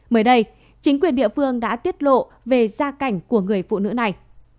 mới đây chính quyền địa phương đã tiết lộ về gia cảnh của người phụ nữ này